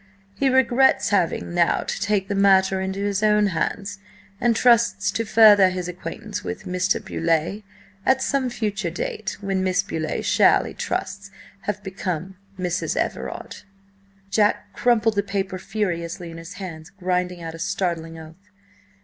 He regrets having now to take the Matter into his Own Hands, and trusts to further his Acquaintance with Mr. Beauleigh at some Future Date, when Miss Beauleigh shall, He trusts, have become 'Mrs. Everard.'" Jack crumpled the paper furiously in his hand, grinding out a startling oath.